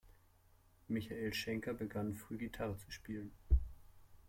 Michael Schenker begann früh, Gitarre zu spielen.